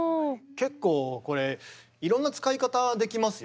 結構これいろんな使い方できますよね。